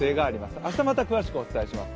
明日また詳しくお伝えしますね。